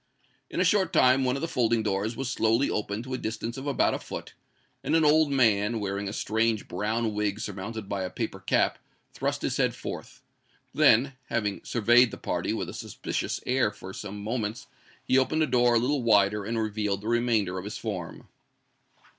In a short time one of the folding doors was slowly opened to a distance of about a foot, and an old man, wearing a strange brown wig surmounted by a paper cap, thrust his head forth. Then, having surveyed the party with a suspicious air for some moments, he opened the door a little wider and revealed the remainder of his form.